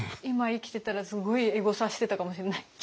今生きてたらすごいエゴサしてたかもしれない。